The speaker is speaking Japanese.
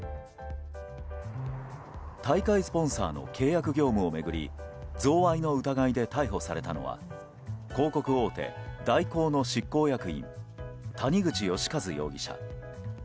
大会スポンサーの契約業務を巡り贈賄の疑いで逮捕されたのは広告大手・大広の執行役員谷口義一容疑者。